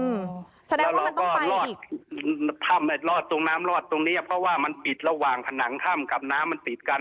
อืมแสดงว่ามันต้องไปอีกรอดตรงน้ำรอดตรงนี้เพราะว่ามันปิดระหว่างผนังท่ำกับน้ำมันปิดกัน